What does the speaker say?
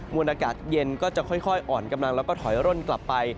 วนอากาศเย็นก็จะค่อยอ่อนกำลังแล้วก็ถอยร่นกลับไป